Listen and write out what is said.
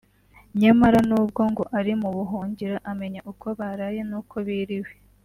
nyamara nubwo ngo ari mu buhungiro amenya uko baraye n’uko biriwe